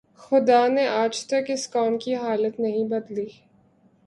خدا نے آج تک اس قوم کی حالت نہیں بدلی